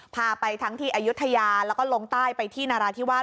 พาไปทั้งที่อายุทยาแล้วก็ลงใต้ไปที่นาราธิวาส